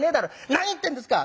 「何言ってんですか。